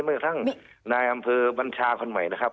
กระทั่งนายอำเภอบัญชาคนใหม่นะครับ